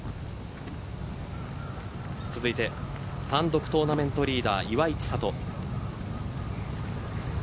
続いて単独トーナメントリーダー岩井千怜。